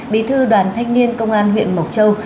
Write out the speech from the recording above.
bí thư đoàn thanh niên công an huyện mộc châu